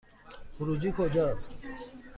خروجی کجاست؟